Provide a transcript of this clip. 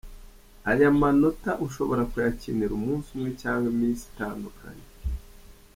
Ayo manota ushobora kuyakinira Umunsi umwe cyangwa iminsi itandukanye.